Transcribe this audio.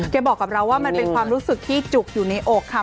บอกกับเราว่ามันเป็นความรู้สึกที่จุกอยู่ในอกค่ะ